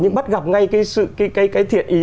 nhưng bắt gặp ngay cái thiện ý